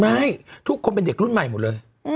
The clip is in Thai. ไม่ทุกคนเป็นเด็กรุ่นใหม่หมดเลย